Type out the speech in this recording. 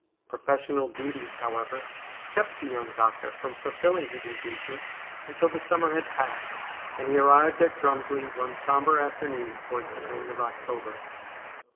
Pro fessional duties, however, kept the young doctor from fulfilling his engagement until the summer had passed, and he arrived at Drumslie one sombre afternoon towards the end of October.